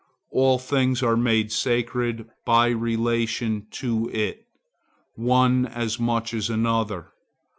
All things are made sacred by relation to it,—one as much as another.